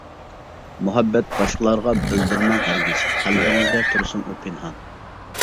مۇھەببەت باشقىلارغا بىلدۈرمەڭ ھەرگىز، قەلبىڭىزدە تۇرسۇن ئۇ پىنھان.